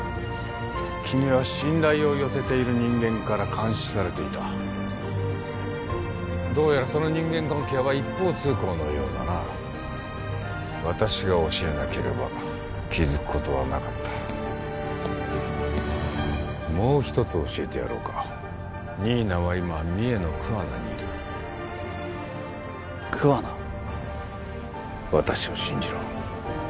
君は信頼を寄せている人間から監視されていたどうやらその人間関係は一方通行のようだな私が教えなければ気づくことはなかったもう一つ教えてやろうか新名は今三重の桑名にいる桑名？